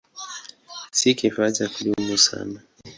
Si kifaa cha kudumu sana.